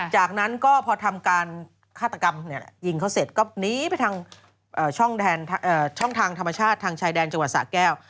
จากนั้นก็พอทำการฆาตกรรมยิงเขาเสร็จก็หนีไปทางช่องทางธรรมชาติทางชายแดนจังหวัดสะแก้ว